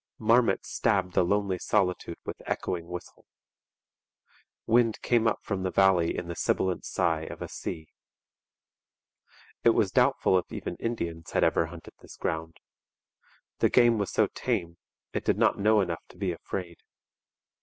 Marmots stabbed the lonely solitude with echoing whistle. Wind came up from the valley in the sibilant sigh of a sea. It was doubtful if even Indians had ever hunted this ground. The game was so tame, it did not know enough to be afraid.